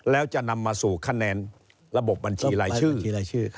แล้วจะนำมาสู่คะแนนระบบบัญชีรายชื่อรายชื่อ